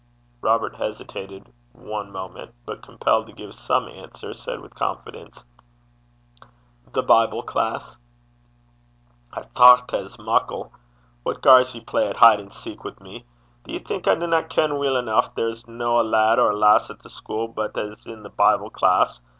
Robert hesitated one moment, but, compelled to give some answer, said, with confidence, 'The Bible class.' 'I thocht as muckle! What gars ye play at hide and seek wi' me? Do ye think I dinna ken weel eneuch there's no a lad or a lass at the schuil but 's i' the Bible class?